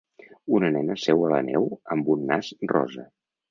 Una nena seu a la neu amb un nas rosa.